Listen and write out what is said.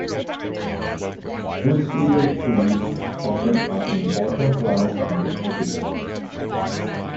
Bushwillow trees often are important plants in their habitat.